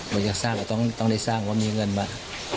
อยากจะสร้างเราต้องได้สร้างว่ามีเงินมา